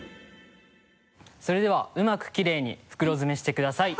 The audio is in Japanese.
それではうまくきれいに袋詰めしてください。